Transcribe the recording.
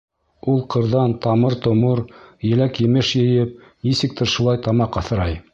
Ул ҡырҙан тамыр-томор, еләк-емеш йыйып, нисектер шулай тамаҡ аҫрай.